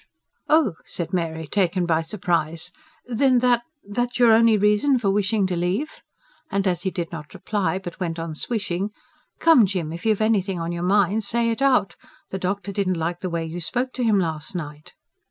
'" "Oh!" said Mary, taken by surprise. "Then that that's your only reason for wishing to leave?" And as he did not reply, but went on swishing: "Come, Jim, if you've anything on your mind, say it out. The doctor didn't like the way you spoke to him last night."